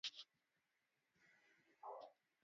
Samaki ya baari iko butamu sana